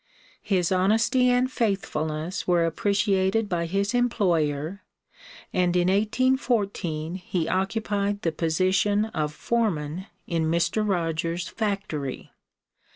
His honesty and faithfulness were appreciated by his employer, and in 1814 he occupied the position of foreman in Mr. Rogers' factory.